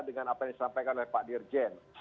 dengan apa yang disampaikan oleh pak dirjen